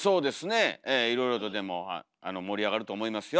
ええいろいろとでも盛り上がると思いますよ。